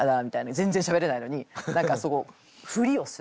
全然しゃべれないのに何かすごいふりをする。